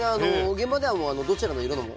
現場ではもうどちらの色でも。